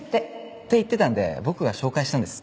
って言ってたんで僕が紹介したんです。